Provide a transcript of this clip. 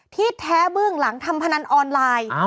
ที่แท้เบื้องหลังทำพนันออนไลน์